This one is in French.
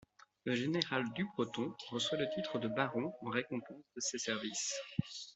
Le général Dubreton reçoit le titre de baron en récompense de ses services.